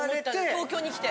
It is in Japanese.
東京に来て。